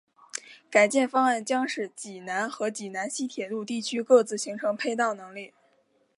改建方案将使济南和济南西铁路地区各自形成配套能力。